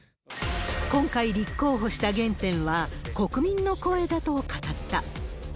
今回、立候補した原点は、国民の声だと語った。